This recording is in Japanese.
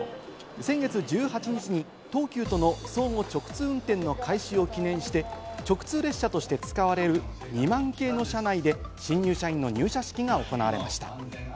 先月１８日に東急との相互直通運転の開始を記念して、直通列車として使われる２００００系の車内で新入社員の入社式が行われました。